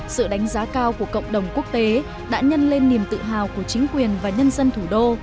sự đánh giá cao của cộng đồng quốc tế đã nhân lên niềm tự hào của chính quyền và nhân dân thủ đô